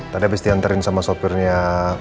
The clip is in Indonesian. tadi abis diantarin sama sopirnya